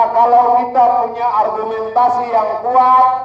kalau kita punya argumentasi yang kuat